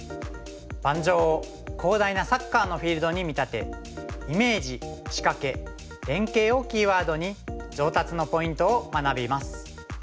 盤上を広大なサッカーのフィールドに見立て「イメージ」「仕掛け」「連携」をキーワードに上達のポイントを学びます。